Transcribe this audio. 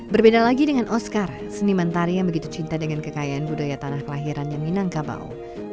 berbeda lagi dengan oscar seni mentari yang begitu cinta dengan kekayaan budaya tanah kelahirannya minangkabau